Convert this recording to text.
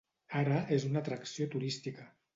Ara és una atracció turística.